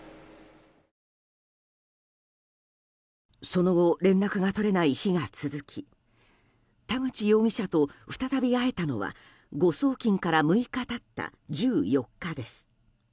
その後連絡が取れない日が続き田口容疑者と再び会えたのは誤送金から６日経った１４日です。